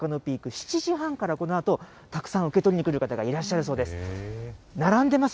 ７時半から、このあとたくさん受け取りに来る方、いらっしゃるそうです。